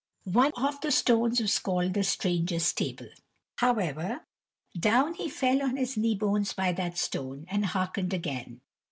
One of the stones was called the "Strangers' Table." However, down he fell on his knee bones by that stone, and hearkened again.